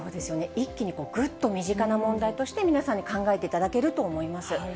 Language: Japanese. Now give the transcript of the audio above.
一気にぐっと身近な問題として、皆さんに考えていただけると思います。